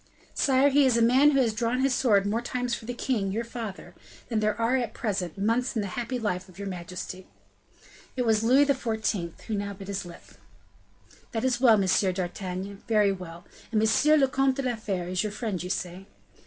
"Sire, he is a man who has drawn his sword more times for the king, your father, than there are, at present, months in the happy life of your majesty." It was Louis XIV. who now bit his lip. "That is well, M. d'Artagnan, very well! And M. le Comte de la Fere is your friend, say you?"